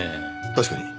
確かに。